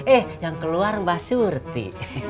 eh yang keluar mbak surti